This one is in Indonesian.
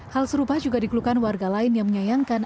hal serupa juga dikeluhkan warga lain yang menyayangkan